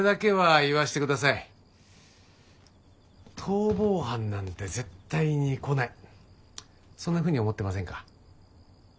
逃亡犯なんて絶対に来ないそんなふうに思ってませんか？